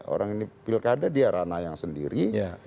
orang ini pilkada dia ranah yang sendiri